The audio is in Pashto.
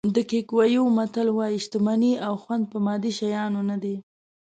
د کیکویو متل وایي شتمني او خوند په مادي شیانو نه دي.